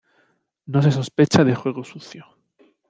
No se sospecha de juego sucio.